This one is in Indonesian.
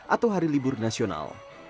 atau hari libur nasional